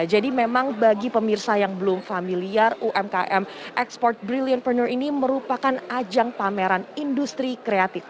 jadi memang bagi pemirsa yang belum familiar umkm expo brilliant pranner ini merupakan ajang pameran industri kreatif